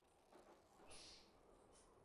Antiguamente tenía una extensión mayor.